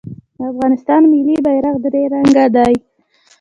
د افغانستان ملي بیرغ درې رنګه دی